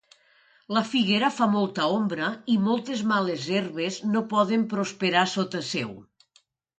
La figuera fa molta ombra i moltes males herbes no poden prosperar sota seu.